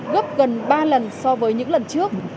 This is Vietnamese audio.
gấp gần ba lần so với những lần trước